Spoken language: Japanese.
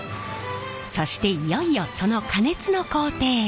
そしていよいよその加熱の工程へ。